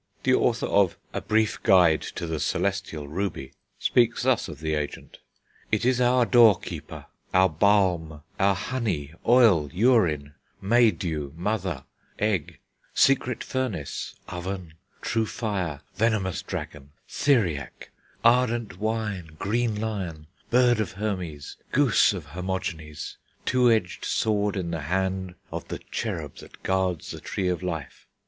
The author of A Brief Guide to the Celestial Ruby speaks thus of the agent "It is our doorkeeper, our balm, our honey, oil, urine, maydew, mother, egg, secret furnace, oven, true fire, venomous dragon, Theriac, ardent wine, Green Lion, Bird of Hermes, Goose of Hermogenes, two edged sword in the hand of the Cherub that guards the Tree of Life....